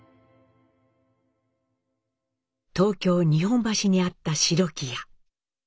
東京・日本橋にあった白木屋。